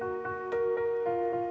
pokoknya jangan lupa kang